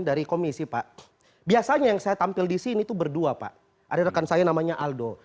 dari komisi pak biasanya yang saya tampil di sini itu berdua pak ada rekan saya namanya aldo